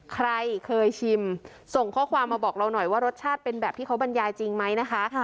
ใครเคยชิมส่งข้อความมาบอกเราหน่อยว่ารสชาติเป็นแบบที่เขาบรรยายจริงไหมนะคะ